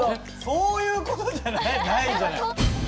そういう事じゃないじゃない。